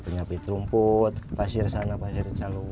nyapit rumput pasir sana pasir calung